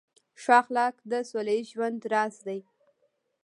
ښه اخلاق د سوله ییز ژوند راز دی.